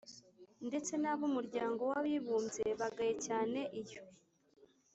ndetse nab'umuryango w'abibumbye bagaye cyane iyo